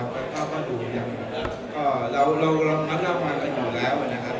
ก็ก็พวกเขาก็ดูเรามันอยู่แล้วนะครับ